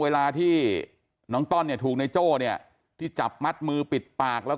เวลาที่น้องต้อนเนี่ยถูกในโจ้เนี่ยที่จับมัดมือปิดปากแล้ว